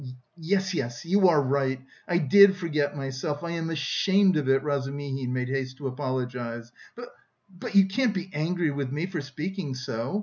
"Yes, yes, you are right, I did forget myself, I am ashamed of it," Razumihin made haste to apologise. "But... but you can't be angry with me for speaking so!